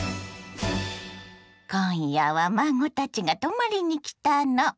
今夜は孫たちが泊まりに来たの。